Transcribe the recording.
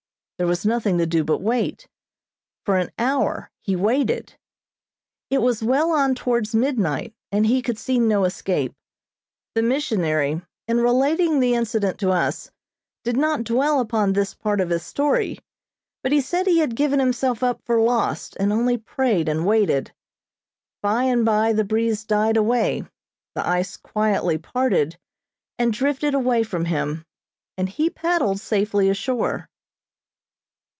There was nothing to do but wait. For an hour he waited. It was well on towards midnight, and he could see no escape. The missionary, in relating the incident to us, did not dwell upon this part of his story, but he said he had given himself up for lost, and only prayed and waited. By and by the breeze died away, the ice quietly parted, and drifted away from him, and he paddled safely ashore.